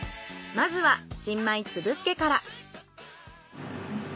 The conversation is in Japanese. まずは新米粒すけから。